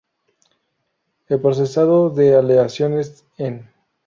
El procesado de aleaciones en.